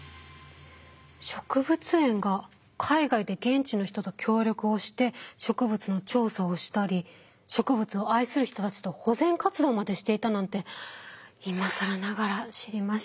植物園が海外で現地の人と協力をして植物の調査をしたり植物を愛する人たちと保全活動までしていたなんて今更ながら知りました。